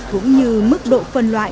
cũng như mức độ phân loại